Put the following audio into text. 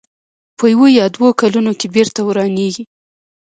په یوه یا دوو کلونو کې بېرته ورانېږي.